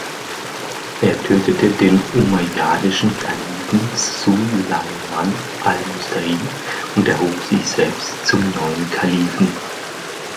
Er tötete den umayyadischen Kalifen Sulaiman al-Mustain und erhob sich selbst zum neuen Kalifen.